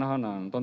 ya jadi rekan rekan